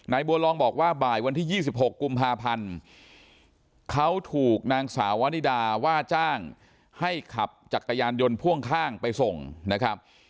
บัวลองบอกว่าบ่ายวันที่๒๖กุมภาพันธ์เขาถูกนางสาววานิดาว่าจ้างให้ขับจักรยานยนต์พ่วงข้างไปส่งนะครับ